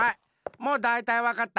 もうだいたいわかった！